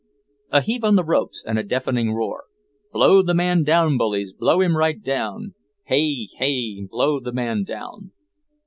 A heave on the ropes and a deafening roar: "Blow the man down, bullies, Blow him right down! Hey! Hey! Blow the man down!"